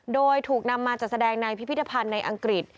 โดยถูกนำมาจัดแสดงในพิพิธภัณฑ์ในอังกฤษ